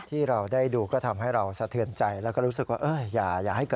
ที่เราได้ดูก็ทำให้เราสะเทือนใจ